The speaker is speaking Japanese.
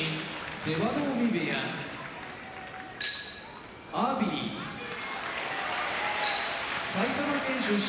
出羽海部屋阿炎埼玉県出身